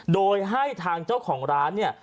โดยให้ทางเจ้าของร้านเนี่ย